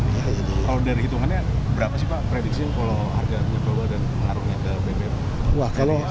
kalau dari hitungannya berapa sih pak